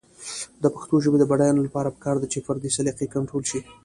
د پښتو ژبې د بډاینې لپاره پکار ده چې فردي سلیقې کنټرول شي.